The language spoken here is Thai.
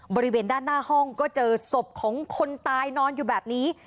บริเวณด้านหน้าห้องก็เจอศพของคนตายนอนอยู่แบบนี้